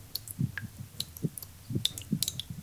南走道墙壁上腐朽的石雕也被更新。